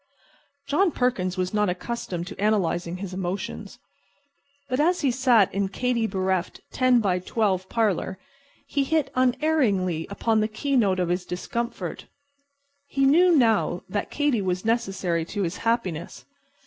John Perkins was not accustomed to analyzing his emotions. But as he sat in his Katy bereft 10×12 parlor he hit unerringly upon the keynote of his discomfort. He knew now that Katy was necessary to his happiness.